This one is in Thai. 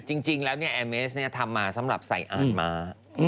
จริงแล้วเนี่ยแอหมีเอศเนี่ยทำมาสำหรับใส่อ่านมา